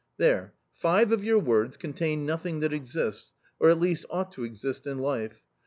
" There, five of your words contain nothing that exists, or at least ought to exist, in life.